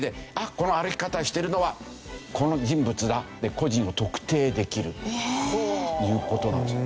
この歩き方してるのはこの人物だって個人を特定できるという事なんですよ。